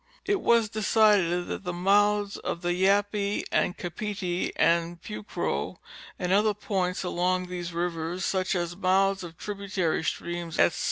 It was decided that the mouths of the Yape, Capite and Pucro and other points along these rivers, such as ,mouths of tributary streams, etc.